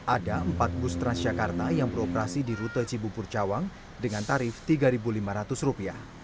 ada empat bus transjakarta yang beroperasi di rute cibubur cawang dengan tarif rp tiga lima ratus